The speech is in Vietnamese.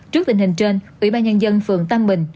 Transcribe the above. trước tình hình trên ủy ban nhân dân phường tam bình